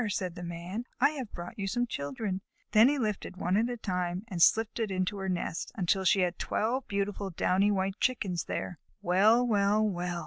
said the Man, "I have brought you some children." Then he lifted one at a time and slipped it into her nest, until she had twelve beautiful downy white Chickens there. "Well! Well! Well!"